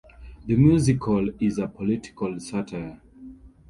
The musical is a political satire.